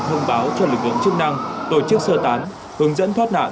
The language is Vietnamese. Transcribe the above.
thông báo cho lực lượng chức năng tổ chức sơ tán hướng dẫn thoát nạn